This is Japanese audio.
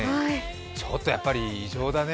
ちょっとやっぱり異常だね。